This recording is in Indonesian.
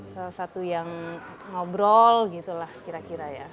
salah satu yang ngobrol gitu lah kira kira ya